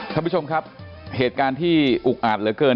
ท่านผู้ชมครับเหตุการณ์ที่อุกอาจเหลือเกิน